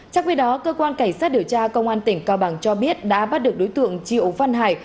trong khi đó cơ quan cảnh sát điều tra công an tỉnh cao bằng cho biết đã bắt được đối tượng triệu văn hải